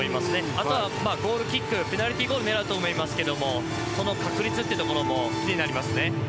あとはゴールキックペナルティーゴールを狙うと思いますけどその確率というところも気になりますね。